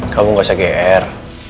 kamu gak usah gr